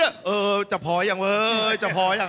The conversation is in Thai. ที่จะเป็นความสุขของชาวบ้าน